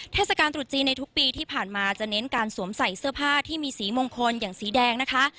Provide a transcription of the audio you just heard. เทศกาลตรุษจีนในทุกปีที่ผ่านมาจะเน้นการสวมใส่เสื้อผ้าที่มีสีมงคลอย่างสีแดงนะคะ